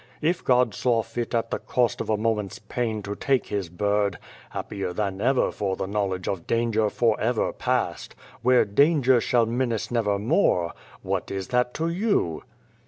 if God saw fit at the cost of a moment's pain to take His bird happier than ever for the knowledge of danger for ever past where danger shall menace never more, what is that to you